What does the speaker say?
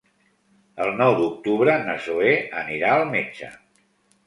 El nou d'octubre na Zoè anirà al metge.